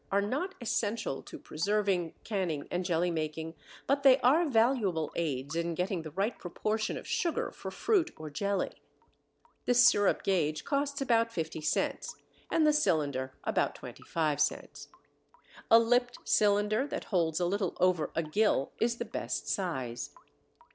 5 A and B) are not essential to preserving, canning, and jelly making, but they are valuable aids in getting the right proportion of sugar for fruit or jelly. The sirup gauge costs about 50 cents and the cylinder about 25 cents. A lipped cylinder that holds a little over a gill is the best size.